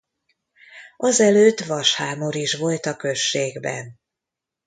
Azelőtt vashámor is volt a községben.